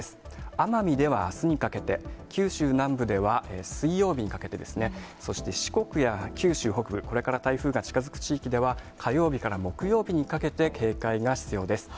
奄美ではあすにかけて、九州南部では水曜日にかけてですね、そして四国や九州北部、これから台風が近づく地域では、火曜日から木曜日にかけて警戒が必要です。